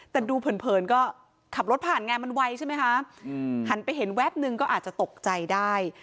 แต่ดูเผินก็ขับรถผ่านไงมันไวใช่ไหมคะหันไปเห็นแวบนึงก็อาจจะตกใจได้